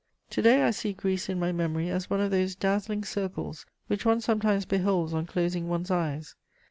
To day I see Greece in my memory as one of those dazzling circles which one sometimes beholds on closing one's eyes.